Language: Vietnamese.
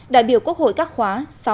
đại biểu quốc hội các khóa sáu tám chín